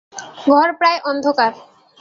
ঘর প্রায় অন্ধকার।